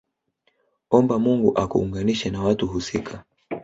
Omba Mungu akuunganishe na watu husika